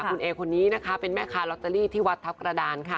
คุณเอคนนี้นะคะเป็นแม่ค้าลอตเตอรี่ที่วัดทัพกระดานค่ะ